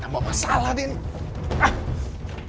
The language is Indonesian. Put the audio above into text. gak mau masalah nih